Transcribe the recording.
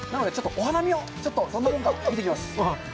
お花見をどんなものか見てきます。